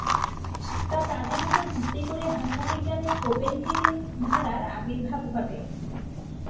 তার কাজের ওপর ভিত্তি করে ভাষাবিজ্ঞানের কোপেনহেগেন ধারার আবির্ভাব ঘটে।